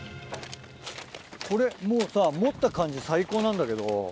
これもうさ持った感じ最高なんだけど。